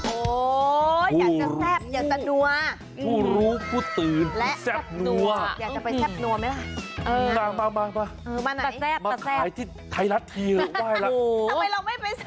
โอ้โฮอยากจะแซ่บอยากจะนัว